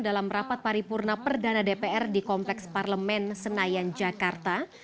dalam rapat paripurna perdana dpr di kompleks parlemen senayan jakarta